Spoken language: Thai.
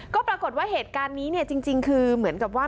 ก็ปรากฏว่าเหตุการณ์นี้เนี่ยจริงคือเหมือนกับว่า